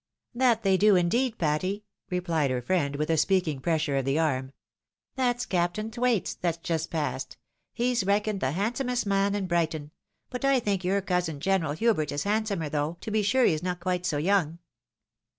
"" That they do indeed, Patty !" replied her friend, with a speaking pressure of the arm. " That's Captain Thwaites that's just past — he's reckoned the handsomest man in Brighton ; but I think your cousin. General Hubert, is handsomer, though, to be sure, he is not quite so young."